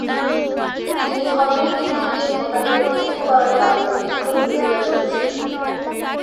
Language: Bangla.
তিনি ধর্মের ভিত্তিতে ভোটারদের পৃথক করার দাবির তীব্র বিরোধিতা করেছিলেন।